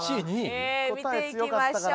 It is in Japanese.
見ていきましょう。